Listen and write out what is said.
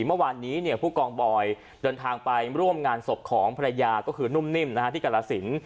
เมื่อวานนี้ผู้กองบอยเดินทางไปร่วมงานศพของภรรยาก็คือนุ่มนิ่มที่กรสิน